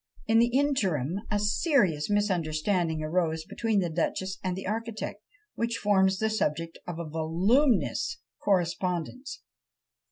In the interim a serious misunderstanding arose between the duchess and the architect, which forms the subject of a voluminous correspondence.